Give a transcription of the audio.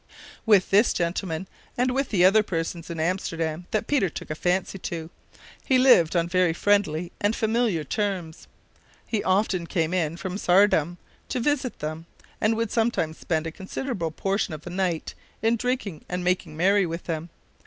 With this gentleman, and with the other persons in Amsterdam that Peter took a fancy to, he lived on very friendly and familiar terms. He often came in from Saardam to visit them, and would sometimes spend a considerable portion of the night in drinking and making merry with them.